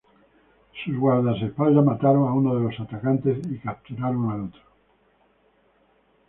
Sus guardaespaldas mataron a uno de los atacantes y capturaron al otro.